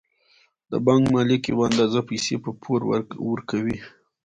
د بانک مالک یوه اندازه پیسې په پور ورکوي